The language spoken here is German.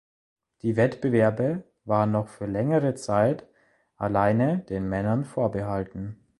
Die Wettbewerbe waren noch für längere Zeit alleine den Männern vorbehalten.